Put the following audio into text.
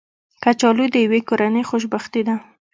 کچالو د یوې کورنۍ خوشبختي ده